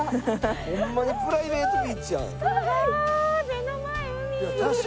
ホンマにプライベートビーチやん。